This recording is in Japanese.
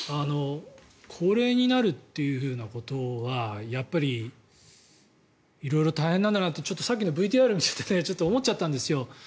高齢になるということはやっぱり色々大変なんだなってさっきのＶＴＲを見ていてちょっと思っちゃったんですよ。